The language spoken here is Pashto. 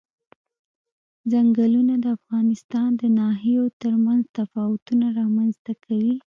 ځنګلونه د افغانستان د ناحیو ترمنځ تفاوتونه رامنځ ته کوي.